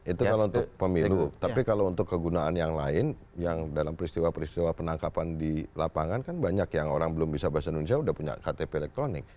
itu kalau untuk pemilu tapi kalau untuk kegunaan yang lain yang dalam peristiwa peristiwa penangkapan di lapangan kan banyak yang orang belum bisa bahasa indonesia sudah punya ktp elektronik